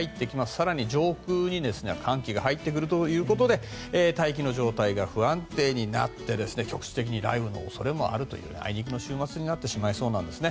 更に上空に寒気が入ってくるということで大気の状態が不安定になって局地的に雷雨の恐れもあるというあいにくの週末になってしまいそうなんですね。